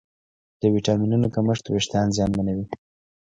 د ویټامینونو کمښت وېښتيان زیانمنوي.